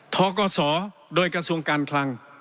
กศโดยกระทรวงการคลัง